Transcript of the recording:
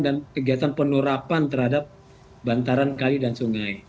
dan kegiatan penurapan terhadap bantaran kali dan sungai